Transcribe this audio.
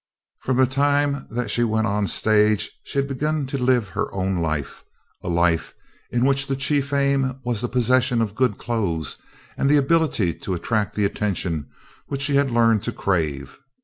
'" From the time that she went on the stage she had begun to live her own life, a life in which the chief aim was the possession of good clothes and the ability to attract the attention which she had learned to crave.